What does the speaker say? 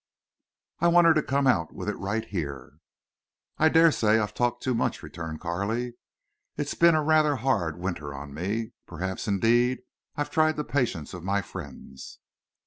I want her to come out with it right here." "I dare say I've talked too much," returned Carley. "It's been a rather hard winter on me. Perhaps, indeed, I've tried the patience of my friends."